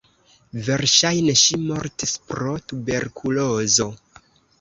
Verŝajne ŝi mortis pro tuberkulozo.